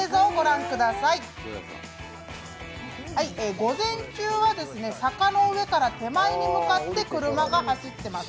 午前中は坂の上から手前に向かって車が走ってます。